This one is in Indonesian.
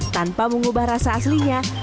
tanpa mengubah rasa aslinya